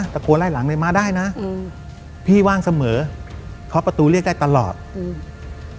ตะโกนไล่หลังเลยมาได้นะอืมพี่ว่างเสมอเคาะประตูเรียกได้ตลอดอืม